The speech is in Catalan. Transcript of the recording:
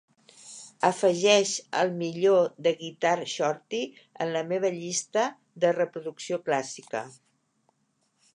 afegeix el millor de Guitar Shorty en la meva llista de reproducció "clásica"